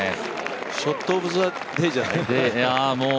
ショット・オブ・ザ・デーじゃない？